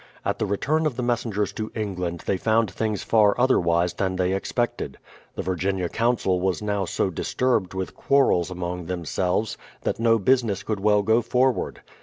At the return of the messengers to England they found things far otherwise than they expected. The Virginia Council was now so disturbed with quarrels among themselves, that no business could well go forward.